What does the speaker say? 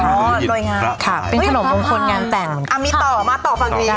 อ๋อโรยงาค่ะเป็นขนมงคลงานแต่งอ่ามีต่อหรอมาต่อฝั่งนี้ค่ะ